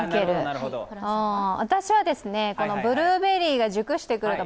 私はブルーベリーが熟してくると